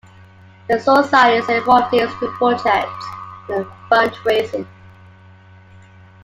The societies are involved in school projects and in fund-raising.